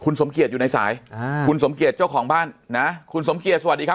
สมเกียจอยู่ในสายคุณสมเกียจเจ้าของบ้านนะคุณสมเกียจสวัสดีครับ